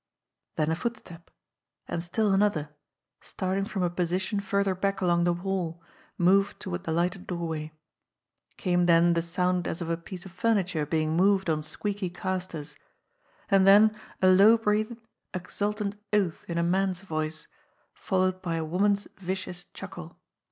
Then a footstep and still another, starting from a position further back along the hall, moved toward the lighted doorway. Came then the sound as of a piece of furniture being moved on squeaky casters ; and then a low breathed, exultant oath in a man's voice, followed by a woman's vicious chuckle.